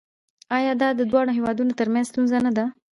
آیا دا د دواړو هیوادونو ترمنځ ستونزه نه ده؟